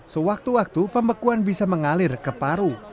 sewaktu waktu pembekuan bisa mengalir ke paru